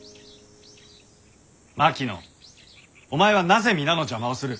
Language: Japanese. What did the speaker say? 槙野お前はなぜ皆の邪魔をする？